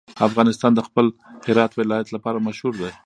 افغانستان د خپل هرات ولایت لپاره مشهور دی.